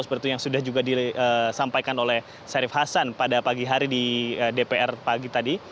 seperti yang sudah juga disampaikan oleh syarif hasan pada pagi hari di dpr pagi tadi